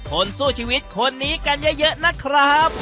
คนสู้ชีวิตคนนี้กันเยอะนะครับ